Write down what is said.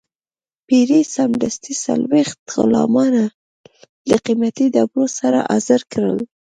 پیري سمدستي څلوېښت غلامان له قیمتي ډبرو سره حاضر کړل.